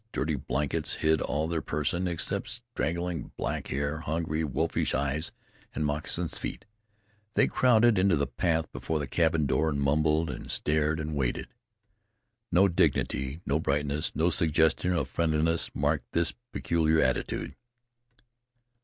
Dirty blankets hid all their person, except straggling black hair, hungry, wolfish eyes and moccasined feet. They crowded into the path before the cabin door and mumbled and stared and waited. No dignity, no brightness, no suggestion of friendliness marked this peculiar attitude.